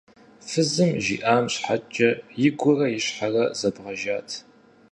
Фызым жиӀам щхьэкӀэ игурэ и щхьэрэ зэбгъэжат.